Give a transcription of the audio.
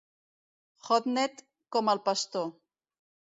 Hodnett com el pastor.